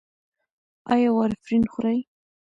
ایا وارفرین خورئ؟